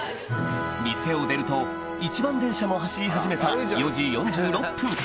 店を出ると一番電車も走り始めた４時４６分